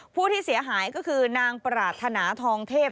ผู้เสียหายก็คือนางปรารถนาทองเทพ